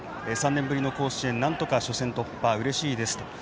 ３年ぶりの甲子園なんとか初戦突破うれしいですと。